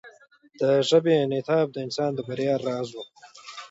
د ژبې انعطاف د انسان د بریا راز و.